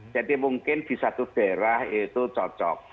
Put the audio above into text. jadi mungkin di satu daerah itu cocok